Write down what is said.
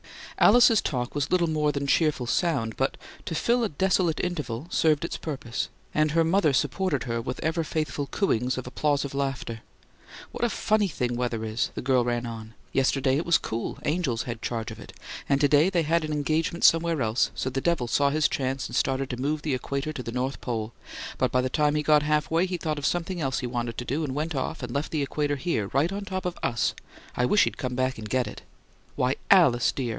Alice's talk was little more than cheerful sound, but, to fill a desolate interval, served its purpose; and her mother supported her with ever faithful cooings of applausive laughter. "What a funny thing weather is!" the girl ran on. "Yesterday it was cool angels had charge of it and to day they had an engagement somewhere else, so the devil saw his chance and started to move the equator to the North Pole; but by the time he got half way, he thought of something else he wanted to do, and went off; and left the equator here, right on top of US! I wish he'd come back and get it!" "Why, Alice dear!"